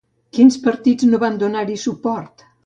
Quins partits no van donar-hi suport?